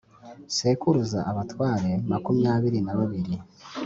sekuruza abatware makumyabiri na babiri